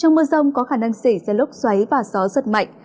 trong mưa rông có khả năng xể xe lốc xoáy và gió giật mạnh